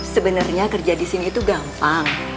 sebenernya kerja disini itu gampang